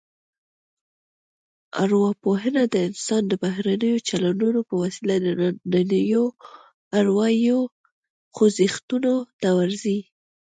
ارواپوهنه د انسان د بهرنیو چلنونو په وسیله دنننیو اروايي خوځښتونو ته ورځي